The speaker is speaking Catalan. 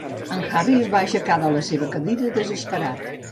En Harry es va aixecar de la seva cadira, desesperat.